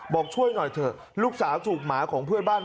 บอกช่วยหน่อยเถอะลูกสาวถูกหมาของเพื่อนบ้าน